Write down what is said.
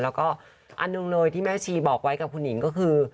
แล้วก็อันหนึ่งเลยที่แม่ชีบอกไว้กับคุณหญิงก็คือ